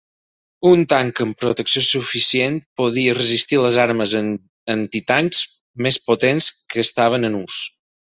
Un tanc amb protecció suficient podia resistir les armes antitancs més potents que estaven en ús.